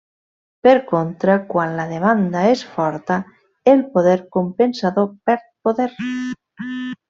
Per contra, quan la demanda és forta el poder compensador perd poder.